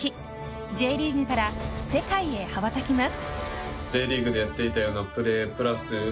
Ｊリーグから世界へ羽ばたきます。